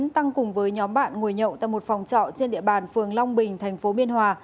tăng cùng với nhóm bạn ngồi nhậu tại một phòng trọ trên địa bàn phường long bình thành phố biên hòa